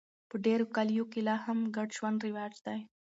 په ډېرو کلیو کې لا هم ګډ ژوند رواج دی.